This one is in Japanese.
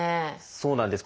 そうなんです。